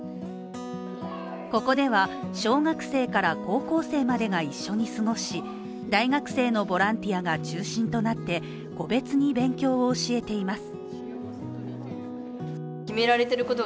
ここでは小学生から高校生までが一緒に過ごし大学生のボランティアが中心となって個別に勉強を教えています。